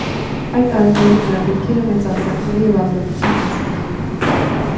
Այդ տարիների նրա գրքերը մեծահասակների և ազատության մասին էին։